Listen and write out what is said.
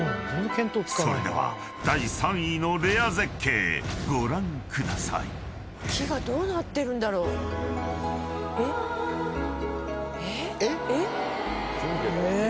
［それでは第３位のレア絶景ご覧ください］えっ？えっ？え